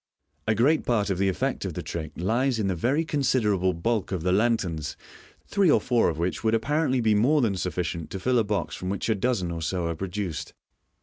A great part of the effect of the trick lies in the very consider able bulk of the lanterns, three or four of which would appa rently be more than sufficient to fill a box from which a dozen 01 so are produced.